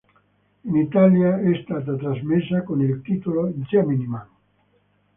In Italia è stata trasmessa con il titolo "Gemini Man".